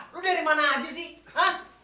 lu dari mana aja sih